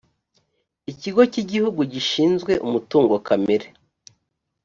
ikigo cy’igihugu gishinzwe umutungo kamere